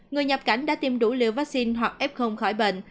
người nhập cảnh đã tiêm đủ liều vaccine hoặc f khỏi bệnh